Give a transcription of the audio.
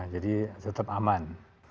jadi tetap aman